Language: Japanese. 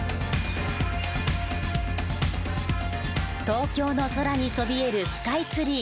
東京の空にそびえるスカイツリー。